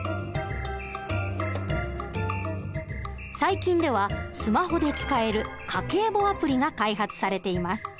最近ではスマホで使える家計簿アプリが開発されています。